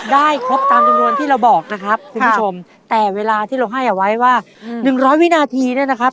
ครบตามจำนวนที่เราบอกนะครับคุณผู้ชมแต่เวลาที่เราให้เอาไว้ว่าหนึ่งร้อยวินาทีเนี่ยนะครับ